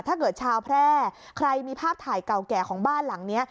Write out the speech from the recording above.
ชาวแพร่ใครมีภาพถ่ายเก่าแก่ของบ้านหลังนี้